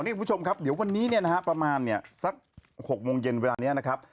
พวกผู้ชมครับเดี๋ยววันนี้ซัก๖๐๐มเวลานี้